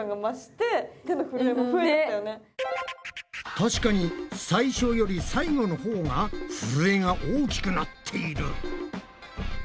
たしかに最初より最後のほうがふるえが大きくなっている。